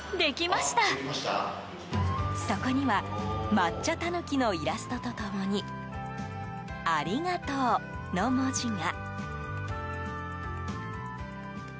そこには抹茶タヌキのイラストと共に「ありがとう」の文字が。